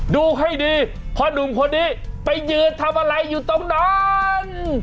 ดูให้ดีพ่อหนุ่มคนนี้ไปยืนทำอะไรอยู่ตรงนั้น